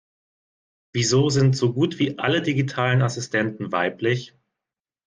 Wieso sind so gut wie alle digitalen Assistenten weiblich?